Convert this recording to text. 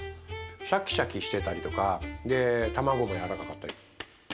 シャキシャキしてたりとかでたまごも柔らかかったり。